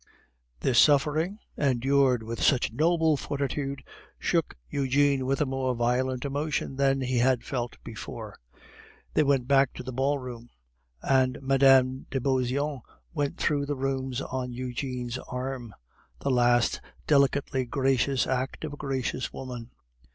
This suffering, endured with such noble fortitude, shook Eugene with a more violent emotion than he had felt before. They went back to the ballroom, and Mme. de Beauseant went through the rooms on Eugene's arm the last delicately gracious act of a gracious woman.